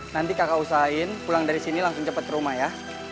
nanti kakak usaiin pulang dari sini langsung cepat ke rumah ya